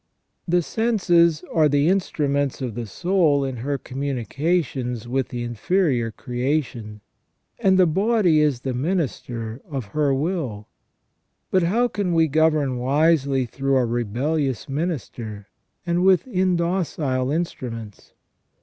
The senses are the instruments of the soul in her communications with the inferior creation, and the body is the minister of her will, but how can we govern wisely through a rebellious minister and with indocile instruments